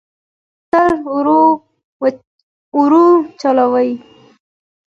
موټر ورو چلوئ